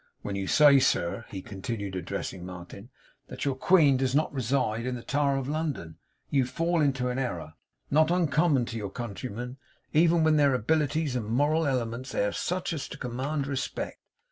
When you say, sir,' he continued, addressing Martin, 'that your Queen does not reside in the Tower of London, you fall into an error, not uncommon to your countrymen, even when their abilities and moral elements air such as to command respect.